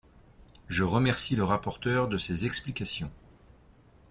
Je remercie le rapporteur de ses explications.